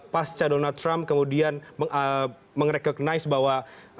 pas chadona trump kemudian meng recognize bahwa